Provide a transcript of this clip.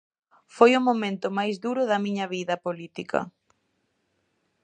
Foi o momento máis duro da miña vida política.